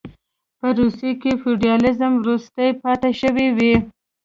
په روسیه کې فیوډالېزم وروستۍ پاتې شوې وې.